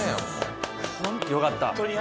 よかった！